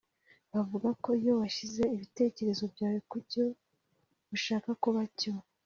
bavuga ko iyo shyize ibitekerezo byawe ku cyo ushaka kuba cyo